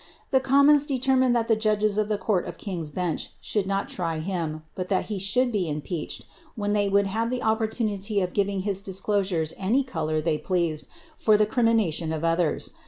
The commons de that the judges of tlie Court of King's Bench should not try that he should be impeached, when they would have the op of giving his disclosures any colour they pleased for the cri of others.